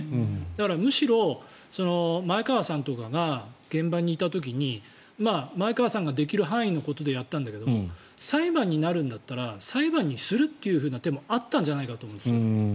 だから、むしろ前川さんとかが現場にいた時に前川さんができる範囲のことでやったんだけど裁判になるんだったら裁判にするっていう手もあったんじゃないかと思うんです。